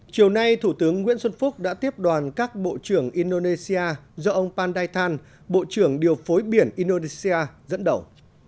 phó thủ tướng nguyễn xuân phúc đã tiếp đoàn các bộ trưởng indonesia do ông panday than bộ trưởng điều phối biển indonesia dẫn đầu